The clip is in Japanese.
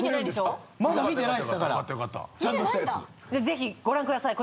ぜひご覧ください。